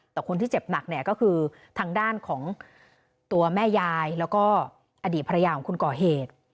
แต่คนที่เจ็บหนักเนี่ยก็คือทางด้านของตัวแม่ยายแล้วก็อดีตภรรยาของคนก่อเหตุ